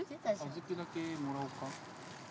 小豆だけもらおうか？